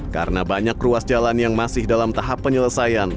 karena banyak ruas jalan yang masih dalam tahap penyelesaian